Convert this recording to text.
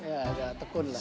ya agak tekun lah